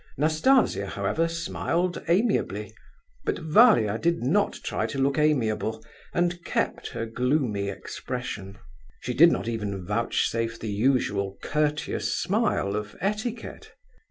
Nastasia, however, smiled amiably; but Varia did not try to look amiable, and kept her gloomy expression. She did not even vouchsafe the usual courteous smile of etiquette.